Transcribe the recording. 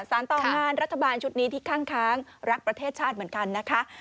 สารต่องานรัฐบาลชุดนี้ที่ข้างรักประเทศชาติเหมือนกันนะคะ